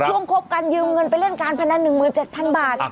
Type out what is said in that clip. คบกันยืมเงินไปเล่นการพนัน๑๗๐๐บาท